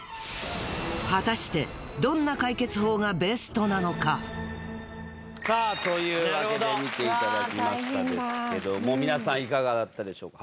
果たしてさあというわけで見ていただきましたですけども皆さんいかがだったでしょうか？